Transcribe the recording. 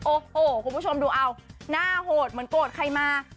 โอ้โหคุณผู้ชมดูเอาหน้าโหดเหมือนโกรธใครมา